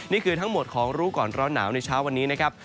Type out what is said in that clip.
นี่คือทั้งหมดของรู้ก่อนร้อนหนาวในเช้าวันนี้นะครับ